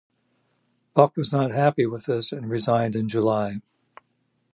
Buck was not happy with this and resigned in July.